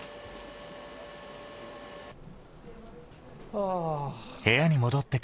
あぁ。